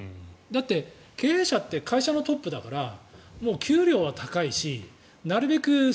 だって、経営者って会社のトップだから給料は高いしなるべく